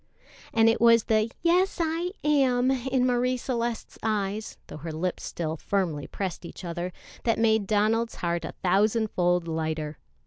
And it was the "yes, I am" in Marie Celeste's eyes, though her lips still firmly pressed each other, that made Donald's heart a thousand fold lighter.